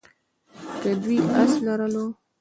که دوی آس لرلو.